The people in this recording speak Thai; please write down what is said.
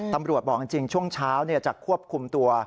ตำรวจบอกจริงช่วงเช้าจะควบคุมตัว